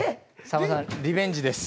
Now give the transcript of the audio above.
さんまさんリベンジです。